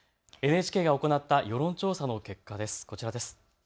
ＮＨＫが行った世論調査の結果、こちらです。